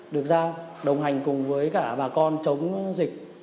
được giao đồng hành cùng với cả bà con chống dịch